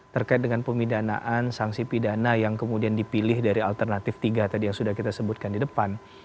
terkait dengan pemidanaan sanksi pidana yang kemudian dipilih dari alternatif tiga tadi yang sudah kita sebutkan di depan